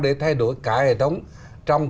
để thay đổi cả hệ thống